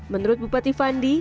menurut bupati fandi